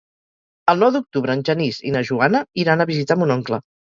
El nou d'octubre en Genís i na Joana iran a visitar mon oncle.